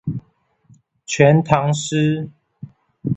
全唐詩